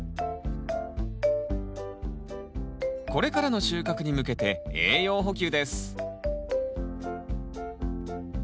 これからの収穫に向けて栄養補給です